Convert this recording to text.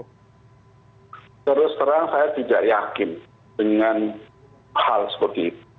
sebenarnya saya tidak yakin dengan hal seperti itu